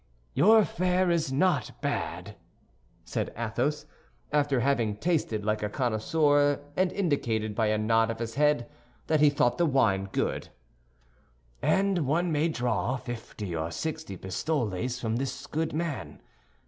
"Your affair is not bad," said Athos, after having tasted like a connoisseur and indicated by a nod of his head that he thought the wine good; "and one may draw fifty or sixty pistoles from this good man.